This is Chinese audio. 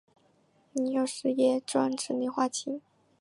膦有时也专指磷化氢。